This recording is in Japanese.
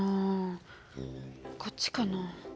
こっちかな？